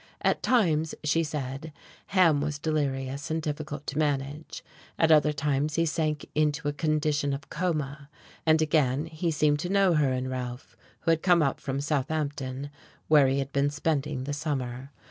At times, she said, Ham was delirious and difficult to manage; at other times he sank into a condition of coma; and again he seemed to know her and Ralph, who had come up from Southampton, where he had been spending the summer.